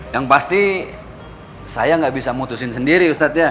yang pasti saya nggak bisa memutuskan sendiri ustaz ya